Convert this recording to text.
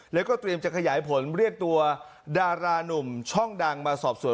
เราก็จัดขยายผลเรียกตัวดารานุ่มช่องดังมาสอบสวน